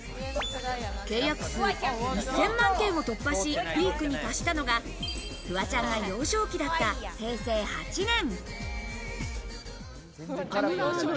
契約数１０００万件を突破し、ピークに達したのがフワちゃんが幼少期だった平成８年。